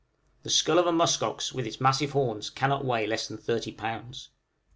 The skull of a musk ox with its massive horns cannot weigh less than 30 lbs.